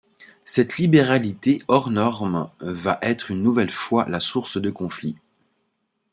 Cette libéralité hors normes va être une nouvelle fois la source de conflits.